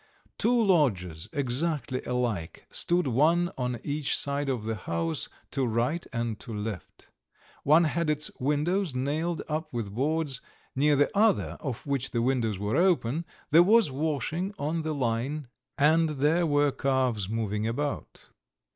Two lodges, exactly alike, stood one on each side of the house to right and to left: one had its windows nailed up with boards; near the other, of which the windows were open, there was washing on the line, and there were calves moving about.